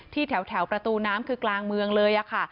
แถวประตูน้ำคือกลางเมืองเลยค่ะ